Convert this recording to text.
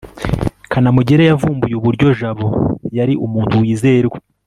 kanamugire yavumbuye uburyo jabo yari umuntu wizerwa